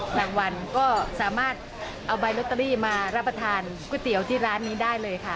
วันก็สามารถเอาใบลอตเตอรี่มารับประทานก๋วยเตี๋ยวที่ร้านนี้ได้เลยค่ะ